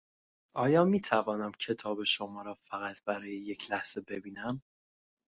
آیا میتوانم کتاب شما را فقط برای یک لحظه ببینم؟